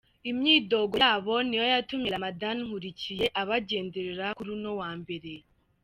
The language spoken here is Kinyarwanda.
Imyidogo yabo niyo yatumye Ramadhan Nkurikiye abagendera kuri uno wambere.